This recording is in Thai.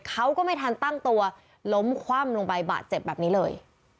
เขาก็ไม่ทันตั้งตัวล้มคว่ำลงไปบาดเจ็บแบบนี้เลย